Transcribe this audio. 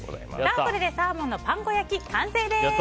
これでサーモンのパン粉焼きの完成です。